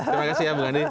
terima kasih ya bu nandi